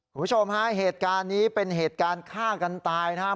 คุณผู้ชมฮะเหตุการณ์นี้เป็นเหตุการณ์ฆ่ากันตายนะครับ